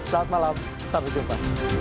saat malam sampai jumpa